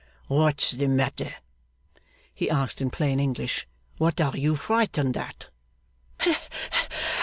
'What's the matter?' he asked in plain English. 'What are you frightened at?